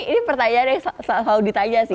ini pertanyaan yang selalu ditanya sih